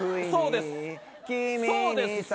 「そうです